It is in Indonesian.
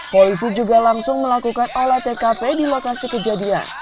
polisi juga langsung melakukan olah tkp di lokasi kejadian